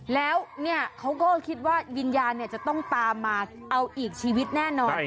แล้วเนี่ยเขาก็คิดว่าวิญญาณจะต้องตามมาเอาอีกชีวิตแน่นอน